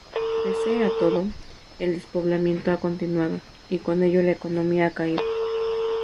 Pese a todo, el despoblamiento ha continuado, y con ello la economía ha caído.